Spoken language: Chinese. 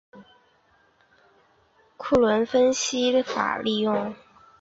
库伦分析法利用固定电流的装置去确定待测系统中一物质的确切浓度。